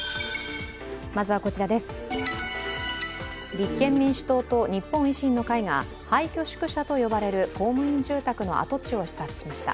立憲民主党と日本維新の会が廃虚宿舎と呼ばれる公務員住宅の跡地を視察しました。